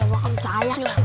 gak bakal percaya